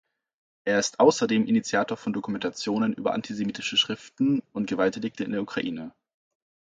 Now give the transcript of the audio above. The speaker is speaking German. Er ist außerdem Initiator von Dokumentationen über antisemitische Schriften und Gewaltdelikte in der Ukraine.